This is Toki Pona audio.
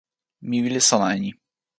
mi wile sona e ni.